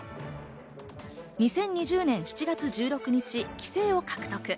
２０２０年７月１６日、棋聖を獲得。